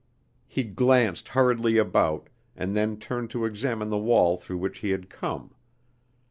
He glanced hurriedly about, and then turned to examine the wall through which he had come.